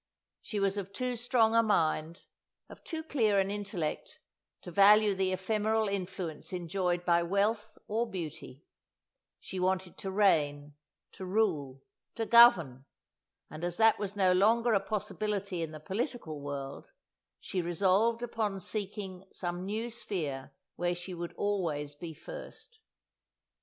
She was of too strong a mind, of too clear an intellect, to value the ephemeral influence enjoyed by wealth or beauty; she wanted to reign, to rule, to govern, and as that was no longer a possibility in the political world, she resolved upon seeking some new sphere where she would always be first.